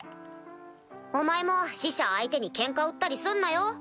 お前も使者相手にケンカ売ったりすんなよ？